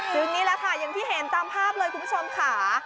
นี่แหละค่ะอย่างที่เห็นตามภาพเลยคุณผู้ชมค่ะ